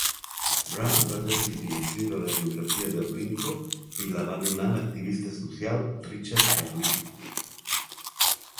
Brown va decidir escriure la biografia de Blincoe i la va donar a l'activista social Richard Carlisle.